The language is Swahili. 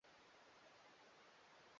Usiniache tena kwenye giza.